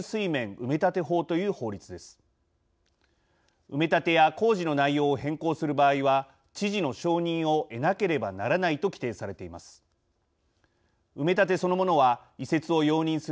埋め立てや、工事の内容を変更する場合は知事の承認を得なければならないと規定されています。